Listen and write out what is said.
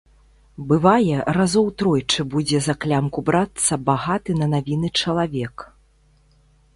Бывае, разоў тройчы будзе за клямку брацца багаты на навіны чалавек.